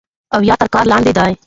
او يا تر كار لاندې دی